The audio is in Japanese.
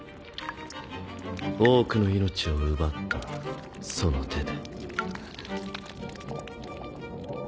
多くの命を奪ったその手で。